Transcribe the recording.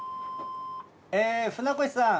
え船越さん。